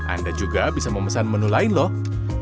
anda juga bisa memesan menu lain loh